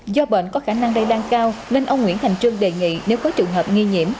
do bệnh có khả năng lây lan cao nên ông nguyễn thành trương đề nghị nếu có trường hợp nghi nhiễm